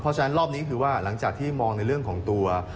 เพราะฉะนั้นรอบนี้คือว่าหลังจากที่มองในเรื่องของตัว